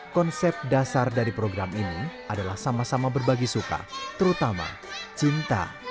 konsep dasar dari program ini adalah sama sama berbagi suka terutama cinta